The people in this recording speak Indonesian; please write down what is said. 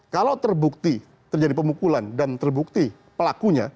kalau terbukti terjadi pemukulan dan terbukti pelakunya